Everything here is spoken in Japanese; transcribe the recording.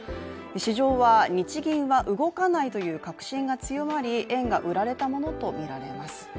市場は、日銀は動かないという確信が強まり、円が売られたものとみられます。